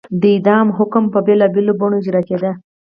د اعدام حکم به په بېلابېلو بڼو اجرا کېده.